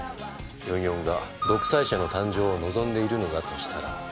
４４が独裁者の誕生を望んでいるのだとしたら。